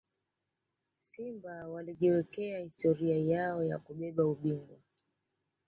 simba walijiwekea historia yao ya kubeba ubingwa